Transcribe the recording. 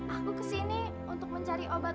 aku kesini untuk mencari obat